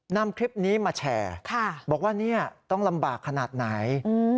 นำคลิปนี้มาแชร์บอกว่าเนี่ยต้องลำบากขนาดไหน